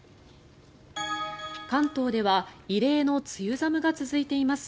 関東では異例の梅雨寒が続いています。